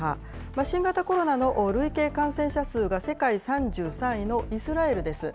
新型コロナの累計感染者数が世界３３位のイスラエルです。